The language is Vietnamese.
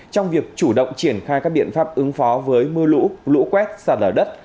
trong việc chủ động triển khai các biện pháp ứng phó với mưa lũ lũ quét sạt lở đất